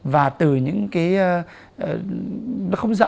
và từ những cái